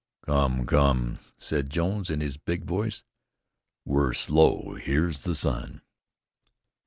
"Come, come!" said Jones, in his big voice. "We're slow; here's the sun."